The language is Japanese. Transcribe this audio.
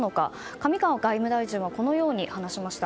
上川外務大臣はこのように話しました。